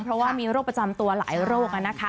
เพราะว่ามีโรคประจำตัวหลายโรคนะคะ